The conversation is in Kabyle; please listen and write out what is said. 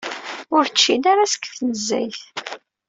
Ur ččin ara seg tnezzayt.